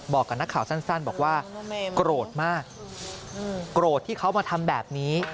บอกกับนักข่าวสั้นบอกว่าโกรธมากโกรธที่เขามาทำแบบนี้